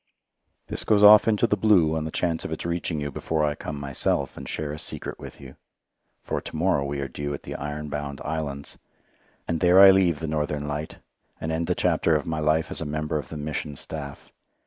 This goes off into the blue on the chance of its reaching you before I come myself and share a secret with you; for to morrow we are due at the Iron Bound Islands, and there I leave the Northern Light, and end the chapter of my life as a member of the Mission staff.